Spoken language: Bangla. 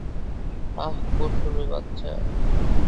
হাহ, পশমী বাচ্চা!